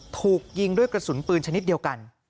ถูกยิงด้วยกระสุนปืนชนิดเดียวกัน